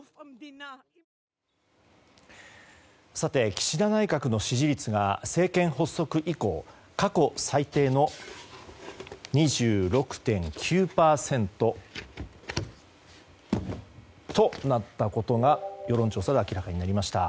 岸田内閣の支持率が政権発足以降過去最低の２６．９％となったことが世論調査で明らかになりました。